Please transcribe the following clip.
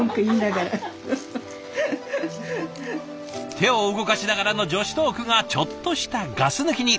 手を動かしながらの女子トークがちょっとしたガス抜きに。